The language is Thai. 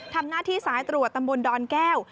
ทำหน้าที่สายตรวจตำบลดอนแก้ว